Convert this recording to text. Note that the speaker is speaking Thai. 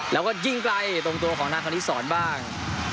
แล้วก็ยิงไกลตรงตัวของทางคณิสรบ้าง